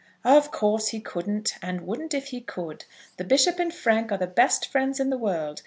"Of course, he couldn't, and wouldn't if he could. The bishop and Frank are the best friends in the world.